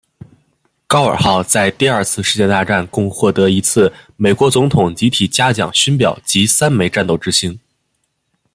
高尔号在第二次世界大战共获得一次美国总统集体嘉奖勋表及三枚战斗之星。